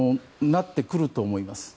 なってくると思います。